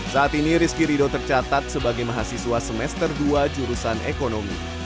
saat ini rizky rido tercatat sebagai mahasiswa semester dua jurusan ekonomi